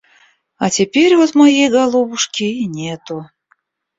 А теперь вот моей голубушки и нету.